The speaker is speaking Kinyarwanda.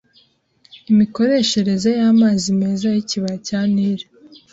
imikoreshereze y’amazi meza y’ikibaya cya Nili.